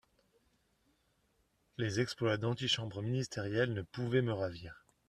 Les exploits d'antichambre ministérielle ne pouvaient me ravir.